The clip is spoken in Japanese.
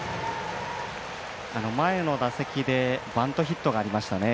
前の打席でバントヒットがありましたね